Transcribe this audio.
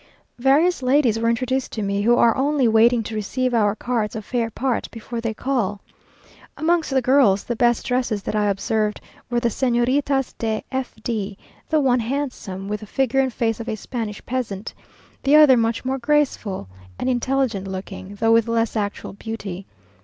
Various ladies were introduced to me who are only waiting to receive our cards of faire part before they call. Amongst the girls, the best dresses that I observed were the Señoritas de F d, the one handsome, with the figure and face of a Spanish peasant; the other much more graceful and intelligent looking, though with less actual beauty.